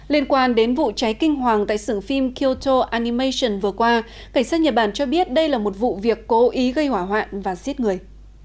liên quan đến vụ cháy kinh hoàng tại sử phim kyoto animation vừa qua cảnh sát nhật bản cho biết đây là một vụ việc cố ý gây hỏa hoạn và giết người